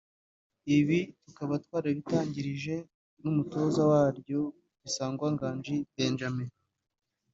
Ibi tukaba twarabitangarije n’umutoza waryo Bisangwa Nganji Benjamin